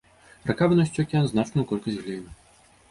Рака выносіць у акіян значную колькасць глею.